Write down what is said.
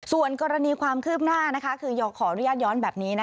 ส่วนกรณีความคืบหน้าคือขออนุญาตย้อนแบบนี้